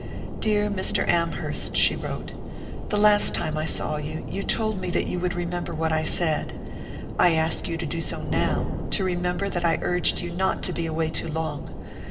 "Dear Mr. Amherst," she wrote, "the last time I saw you, you told me you would remember what I said. I ask you to do so now to remember that I urged you not to be away too long.